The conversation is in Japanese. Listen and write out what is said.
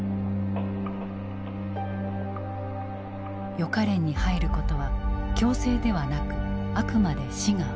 予科練に入ることは強制ではなくあくまで志願。